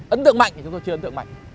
ấn tượng mạnh thì tôi chưa ấn tượng mạnh